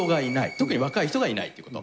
特に若い人がいないってこと。